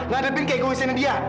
nggak ada yang kayak egoisin dia